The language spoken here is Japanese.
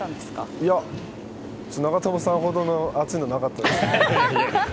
いや、長友さんほどの熱いのはなかったですね。